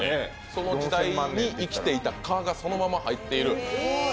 その時代に生きていた蚊がそのまま入っている。